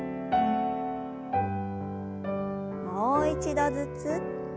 もう一度ずつ。